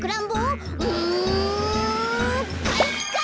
うんかいか！